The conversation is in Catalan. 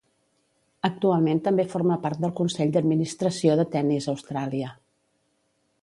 Actualment també forma part del consell d'administració de Tennis Austràlia.